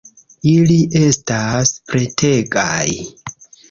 Ili estas pretegaj